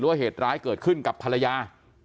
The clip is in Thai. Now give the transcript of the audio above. ว่าเหตุร้ายเกิดขึ้นกับภรรยา